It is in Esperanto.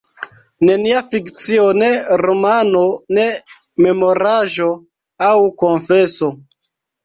Nenia fikcio, ne romano, ne memoraĵo aŭ konfeso.